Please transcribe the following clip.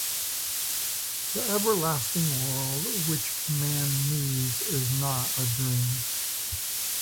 The everlasting world which man needs is not a dream.